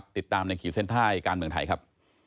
ติดตามในขีดเส้นใต้การเมืองไทยครับ